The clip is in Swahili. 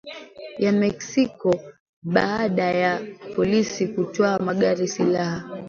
ya Mexico baada ya polisi kutwaa magari silaha